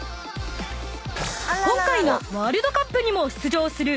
［今回のワールドカップにも出場する］